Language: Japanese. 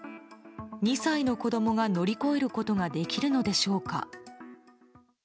２歳の子供が乗り越えることができるのでしょうか。